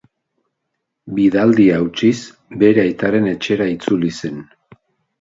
Bidaldia hautsiz bere aitaren etxera itzuli zen.